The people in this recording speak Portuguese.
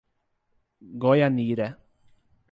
Goianira